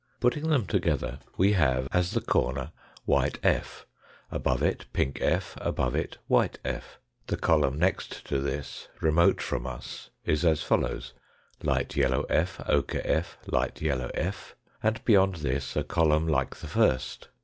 Putting them together we have, as the corner, white f. above it, pink f. above it, white f. The column next to this remote from us is as follows : light yellow f., ochre f., light yellow f., and, beyond this a column like the first.